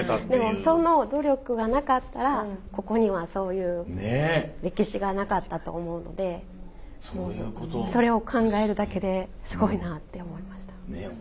でもその努力がなかったらここにはそういう歴史がなかったと思うのでそれを考えるだけですごいなって思いました。